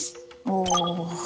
おお。